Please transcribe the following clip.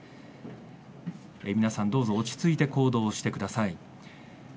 皆さん、どうぞ落ち着いて行動してください。